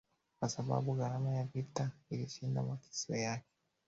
kwa sababu gharama ya vita ilishinda makisio yake